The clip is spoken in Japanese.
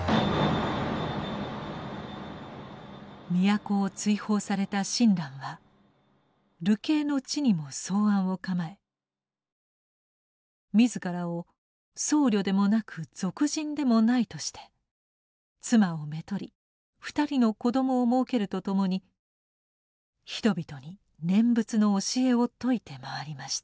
都を追放された親鸞は流刑の地にも草庵を構え自らを「僧侶でもなく俗人でもない」として妻をめとり２人の子どもをもうけるとともに人々に念仏の教えを説いて回りました。